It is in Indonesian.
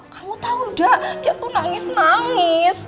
kamu tahu enggak dia tuh nangis nangis